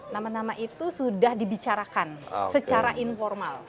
nama nama itu sudah dibicarakan secara informal